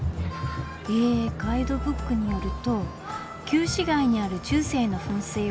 えガイドブックによると「旧市街にある中世の噴水はおよそ１００か所。